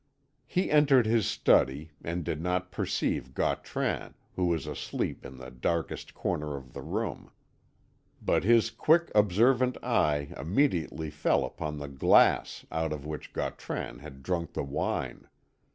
He entered his study, and did not perceive Gautran, who was asleep in the darkest corner of the room. But his quick observant eye immediately fell upon the glass out of which Gautran had drunk the wine.